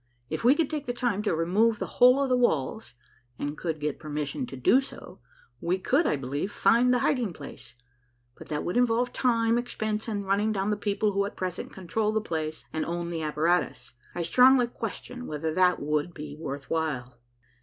If we could take the time to remove the whole of the walls, and could get permission to do so, we could, I believe, find the hiding place, but that would involve time, expense, and running down the people who at present control the place and own the apparatus. I strongly question whether that would be worth while."